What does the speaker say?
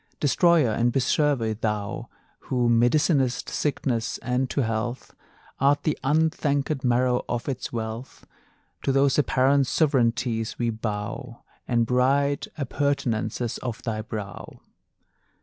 Destroyer and preserver, thou Who medicinest sickness, and to health Art the unthankèd marrow of its wealth; To those apparent sovereignties we bow And bright appurtenances of thy brow!